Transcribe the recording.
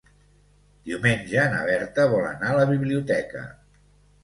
Diumenge na Berta vol anar a la biblioteca.